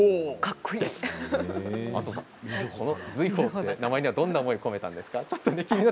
この名前にはどんな思いを込めたんですか？